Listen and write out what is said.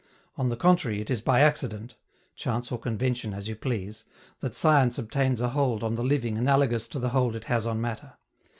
On the contrary, it is by accident chance or convention, as you please that science obtains a hold on the living analogous to the hold it has on matter.